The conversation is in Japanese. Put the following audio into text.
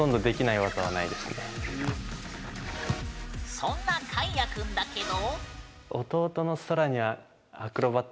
そんなかいやくんだけど。